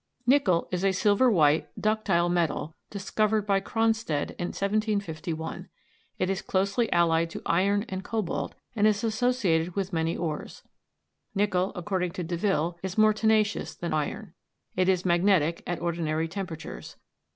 Nickel is a silver white, ductile metal, discovered by Cronstedt in 1751. It is closely allied to iron and cobalt, and is associated with many ores. Nickel, according to Deville, is more tenacious than iron. It is magnetic at ordinary temperatures.